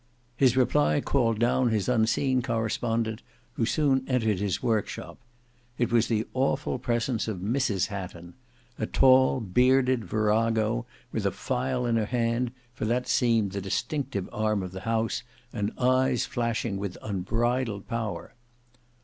His reply called down his unseen correspondent, who soon entered his workshop. It was the awful presence of Mrs Hatton; a tall, bearded virago, with a file in her hand, for that seemed the distinctive arm of the house, and eyes flashing with unbridled power.